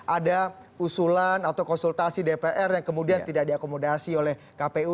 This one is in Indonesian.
ada usulan atau konsultasi dpr yang kemudian tidak diakomodasi oleh kpu